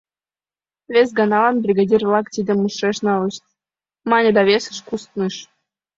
«Вес ганалан бригадир-влак тидым ушеш налышт», — мане да весыш кусныш.